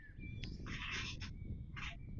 unahitaji kufafanua pembejeo mbili za lazima